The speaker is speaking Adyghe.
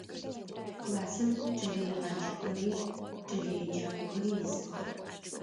Классым кӏэлэегъаджэхэри кӏэлэеджакӏохэри исых.